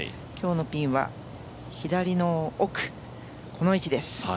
今日のピンは左の奥、この位置です。